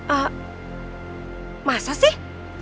ah masa sih